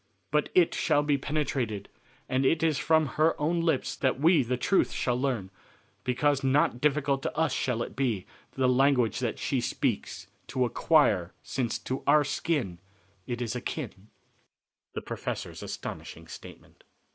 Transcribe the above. But it shall be penetrated, and it is from her own lips that we the truth shall learn, because not difficult to us shall it be the language that she speaks to acquire since to our own it is akin." The Professor's Astonishing Statement.